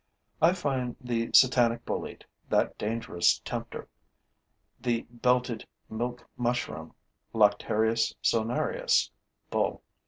I find the Satanic bolete, that dangerous tempter; the belted milk mushroom (Lactarius zonarius, BULL.)